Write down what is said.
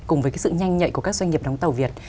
cùng với sự nhanh nhạy của các doanh nghiệp đóng tàu việt